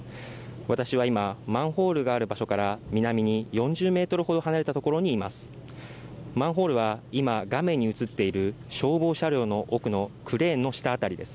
私は今、マンホールがある場所から南に４０ｍほど離れたところにいます